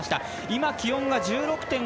今気温が１６．５度。